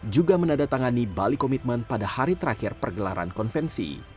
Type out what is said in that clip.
juga menandatangani bali commitment pada hari terakhir pergelaran konvensi